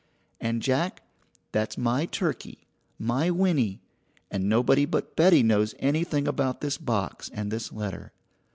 And, Jack, that's my turkey my Winnie and nobody but Betty knows anything about this box and this letter.